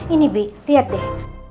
ini bi liat deh